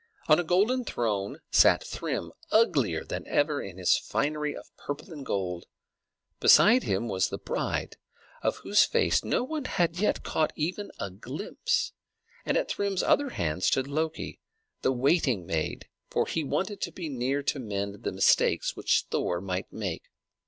On a golden throne sat Thrym, uglier than ever in his finery of purple and gold. Beside him was the bride, of whose face no one had yet caught even a glimpse; and at Thrym's other hand stood Loki, the waiting maid, for he wanted to be near to mend the mistakes which Thor might make.